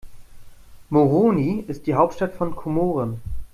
Moroni ist die Hauptstadt von Komoren.